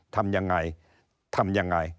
ทำยังไงทำยังไง